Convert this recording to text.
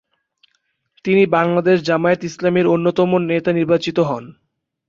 তিনি বাংলাদেশ জামায়াতে ইসলামীর অন্যতম নেতা নির্বাচিত হন।